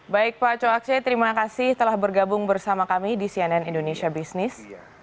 baik pak coakse terima kasih telah bergabung bersama kami di cnn indonesia business